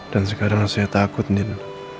dan sekarang saya takut din